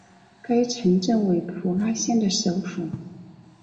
该城镇为普拉县的首府。